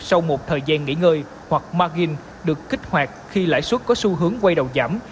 sau một thời gian nghỉ ngơi hoặc margin được kích hoạt khi lãi suất có xu hướng quay đầu giảm